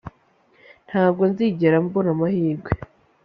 ntabwo nzigera mbura amahirwe